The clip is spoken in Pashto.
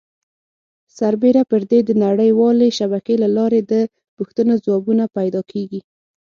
سربیره پر دې د نړۍ والې شبکې له لارې د پوښتنو ځوابونه پیدا کېږي.